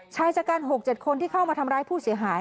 ชายชะกัน๖๗คนที่เข้ามาทำร้ายผู้เสียหาย